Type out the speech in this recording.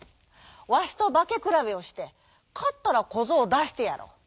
わしとばけくらべをしてかったらこぞうをだしてやろう」。